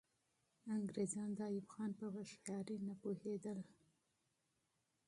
انګریزان د ایوب خان په هوښیاري نه پوهېدل.